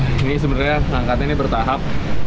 ini sebenarnya angkatnya ini bertahap